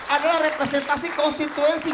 adalah representasi konstituensi